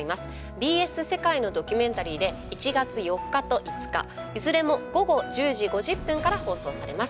「ＢＳ世界のドキュメンタリー」で１月４日と５日いずれも午後１０時５０分から放送されます。